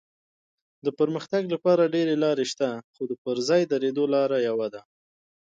د پرمختګ لپاره ډېرې لارې شته خو د پر ځای درېدو لاره یوه ده.